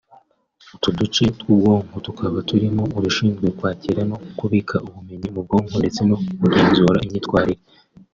utu duce tw’ubwonko tukaba turimo udushinzwe kwakira no kubika ubumenyi mu bwonko ndetse no kugenzura imyitwarire